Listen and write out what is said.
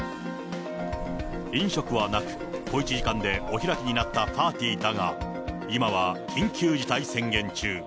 飲食はなく、小１時間でお開きになったパーティーだが、今は緊急事態宣言中。